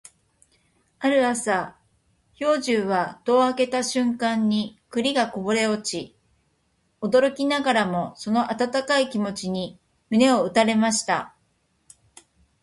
ある朝、兵十は戸を開けた瞬間に栗がこぼれ落ち、驚きながらもその温かい気持ちに胸を打たれました。